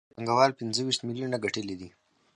فرض کړئ پانګوال پنځه ویشت میلیونه ګټلي دي